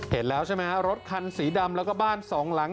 เห็นแล้วใช่ไหมฮะรถคันสีดำแล้วก็บ้านสองหลัง